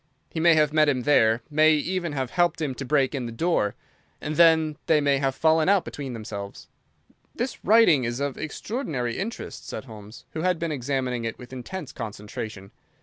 He may have met him there, may even have helped him to break in the door, and then they may have fallen out between themselves." "This writing is of extraordinary interest," said Holmes, who had been examining it with intense concentration.